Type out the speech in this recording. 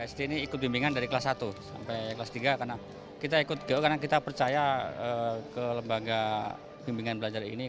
sd ini ikut bimbingan dari kelas satu sampai kelas tiga karena kita ikut go karena kita percaya ke lembaga bimbingan belajar ini